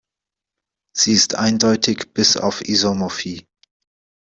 Sie ist eindeutig bis auf Isomorphie.